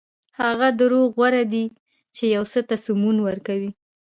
هغه دروغ غوره دي چې یو څه ته سمون ورکوي.